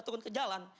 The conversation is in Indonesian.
dan turun ke jalan